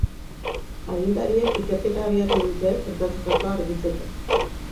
Agintariek ikerketa abiatu dute, gertatutakoa argitzeko.